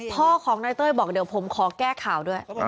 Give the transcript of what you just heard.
พ่อของนายเต้ยบอกเดี๋ยวผมขอแก้ข่าวด้วย